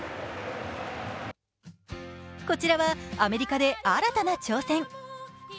こちらは、アメリカで新たな挑戦。